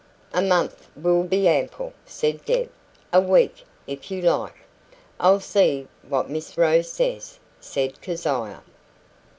"A month will be ample," said Deb. "A week, if you like." "I'll see what Miss Rose says," said Keziah.